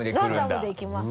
ランダムでいきます。